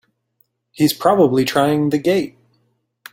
He's probably trying the gate!